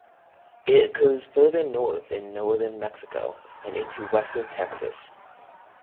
It occurs further north in northern Mexico, and into western Texas.